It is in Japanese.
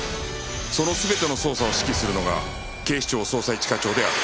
その全ての捜査を指揮するのが警視庁捜査一課長である